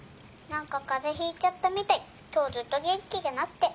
何か風邪ひいちゃったみたい今日ずっと元気がなくて。